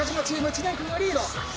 知念君がリード。